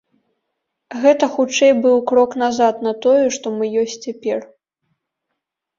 Гэта хутчэй быў крок назад на тое, што мы ёсць цяпер.